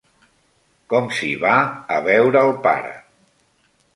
Com s'hi va a veure el pare?